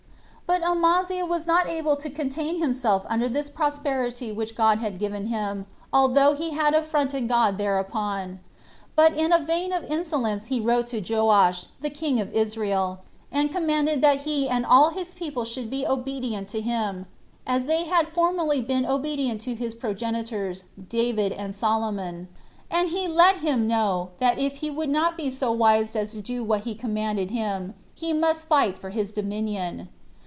But Amaziah was not able to contain himself under that prosperity which God had given him, although he had affronted God thereupon; but in a vein of insolence he wrote to Joash, the king of Israel, and commanded that he and all his people should be obedient to him, as they had formerly been obedient to his progenitors, David and Solomon; and he let him know, that if he would not be so wise as to do what he commanded him, he must fight for his dominion.